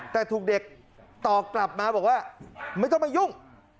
แต่ถูกเด็กตอบกลับมาบอกว่าไม่ต้องมายุ่ง